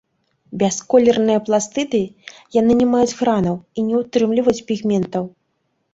Бясколерныя пластыды, яны не маюць гранаў і не ўтрымліваюць пігментаў.